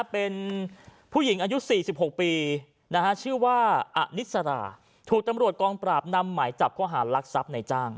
เป็นผู้หญิงอายุ๔๖ปีชื่อว่าอนิสราถูกตำรวจกองปราบนำหมายจับข้อหารลักทรัพย์ในจ้าง